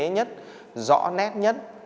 nhất rõ nét nhất